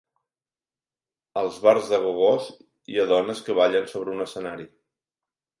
Als bars de "gogós" hi ha dones que ballen sobre un escenari.